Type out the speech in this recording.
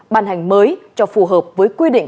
ban hành mới cho phù hợp với quy định